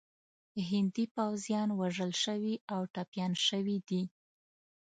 هندي پوځیان وژل شوي او ټپیان شوي دي.